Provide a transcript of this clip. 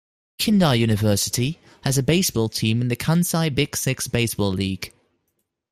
Kindai University has a baseball team in the Kansai Big Six Baseball League.